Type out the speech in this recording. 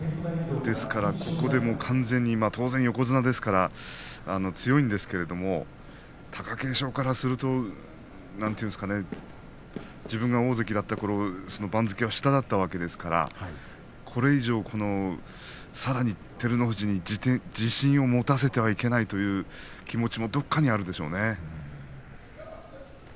当然、横綱ですから強いんですけれど貴景勝からすると自分が大関だったころ番付が下だったわけですからこれ以上、さらに照ノ富士に自信を持たせてはいけないという気持ちもどこかにあるでしょうね。